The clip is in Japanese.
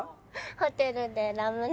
ホテルでねラムネ。